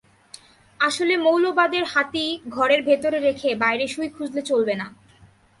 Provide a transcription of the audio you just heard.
আসলে মৌলবাদের হাতি ঘরের ভেতরে রেখে বাইরে সুঁই খুঁজলে চলবে না।